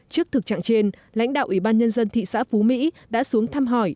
trước thực trạng trên lãnh đạo ủy ban nhân dân thị xã phú mỹ đã xuống thăm hỏi